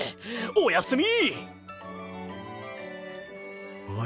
おやすみ。